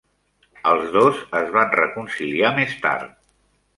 Els dos es van reconciliar més tard.